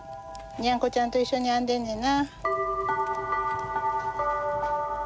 ニャンコちゃんと一緒に編んでんねんな。